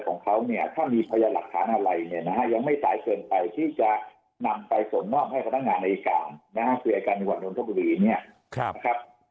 ของเขาเนี่ยถ้ามีพยานหลักฐานอะไรเนี่ยนะฮะยังไม่สายเกินไปที่จะนำไปส่งมอบให้พนักงานอายการนะฮะคืออายการจังหวัดนทบุรีเนี่ยนะครับ